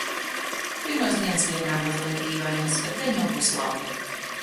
Pirmās dienas vienmēr mazliet dīvainas, bet gan jau būs labi.